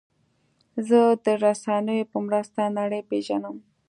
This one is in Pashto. زه د رسنیو په مرسته نړۍ پېژنم.